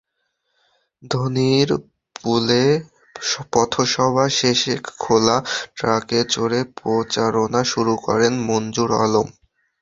ধোনিরপুলে পথসভা শেষে খোলা ট্রাকে চড়ে প্রচারণা শুরু করেন মনজুর আলম।